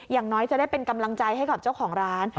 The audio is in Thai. อย่างน้อยจะได้เป็นกำลังใจให้กับเจ้าของร้าน